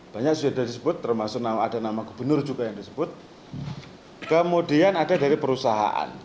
banyak sudah disebut termasuk ada nama gubernur juga yang disebut kemudian ada dari perusahaan